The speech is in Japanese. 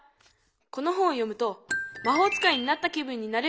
この本を読むと「まほう使いになった気分になれる」